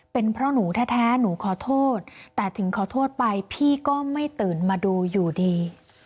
เป็นเพราะหนูแท้หนูขอโทษแต่ถึงขอโทษไปพี่ก็ไม่ตื่นมาดูอยู่ดี